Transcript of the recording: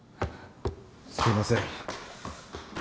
すいません。